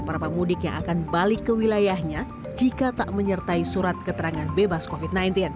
para pemudik yang akan balik ke wilayahnya jika tak menyertai surat keterangan bebas covid sembilan belas